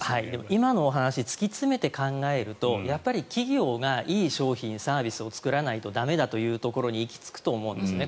今のお話突き詰めて考えるとやっぱり企業がいい商品サービスを作らないと駄目だというところに行き着くと思うんですね。